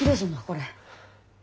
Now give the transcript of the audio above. これ。